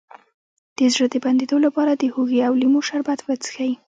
د زړه د بندیدو لپاره د هوږې او لیمو شربت وڅښئ